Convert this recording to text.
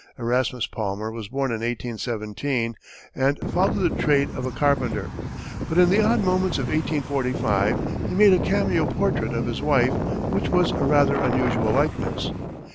Erasmus Palmer was born in 1817, and followed the trade of a carpenter. But in the odd moments of 1845, he made a cameo portrait of his wife, which was a rather unusual likeness.